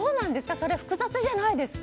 それは複雑じゃないですか？